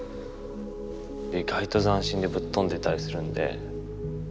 意外と斬新でぶっ飛んでたりするんで。